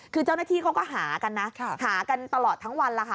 คือเจ้าหน้าที่เขาก็หากันนะหากันตลอดทั้งวันแล้วค่ะ